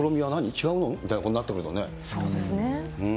違うの？みたいなことになってくそうですね。